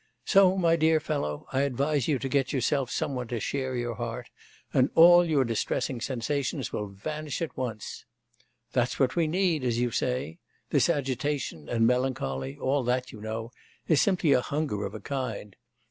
So, my dear fellow, I advise you to get yourself some one to share your heart, and all your distressing sensations will vanish at once. "That's what we need," as you say. This agitation, and melancholy, all that, you know, is simply a hunger of a kind.